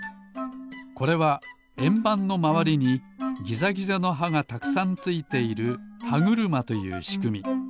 これはえんばんのまわりにギザギザの歯がたくさんついている歯車というしくみ。